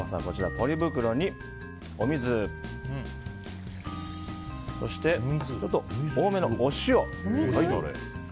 ポリ袋にお水そして、多めのお塩。